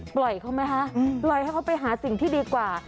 ปล่อยเขาไหมคะปล่อยให้เขาไปหาสิ่งที่ดีกว่า